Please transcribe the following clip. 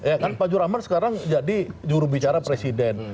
ya kan pak juraman sekarang jadi jurubicara presiden